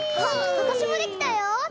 わたしもできたよ！